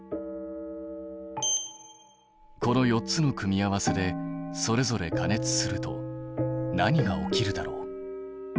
この４つの組み合わせでそれぞれ加熱すると何が起きるだろう？